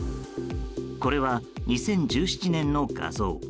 これは２０１７年の画像。